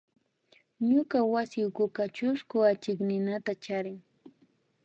Ñuka wasi ukuka chusku achikninata charin